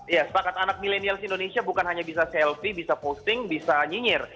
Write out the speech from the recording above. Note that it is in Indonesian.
ya sepakat anak milenials indonesia bukan hanya bisa selfie bisa posting bisa nyinyir